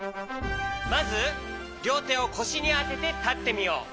まずりょうてをこしにあててたってみよう。